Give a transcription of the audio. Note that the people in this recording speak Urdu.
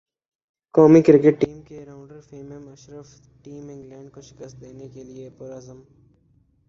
قومی کرکٹ ٹیم کے راونڈر فیمم اشرف ٹیم انگلینڈ کو شکست دینے کے لیئے پر عزم